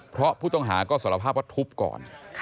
เพราะผู้ต้องหาก็สารภาพว่าทุบก่อน